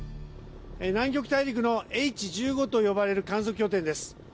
南極大陸のＨ１５と呼ばれる観測拠点です。